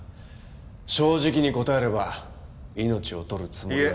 正直に答えれば命を取るつもりは。